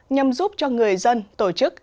nhằm giúp cho người dân tổ chức